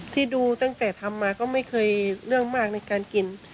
ที่ดูตั้งแต่ทำมาก็ไม่เคยเรื่องมากในการกิน